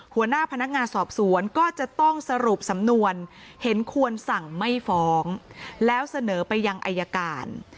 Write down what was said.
หัวหน้าพนักงานสอบสวนก็จะต้องสรุปสำนวนเห็นควรสั่งไม่ฟ้องแล้วเสนอไปยังอายการ